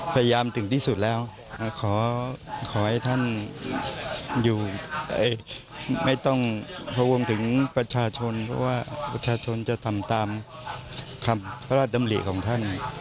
พยายามถึงที่สุดแล้วขอให้ท่านอยู่ไม่ต้องทวงถึงประชาชนเพราะว่าประชาชนจะทำตามคำพระราชดำริของท่าน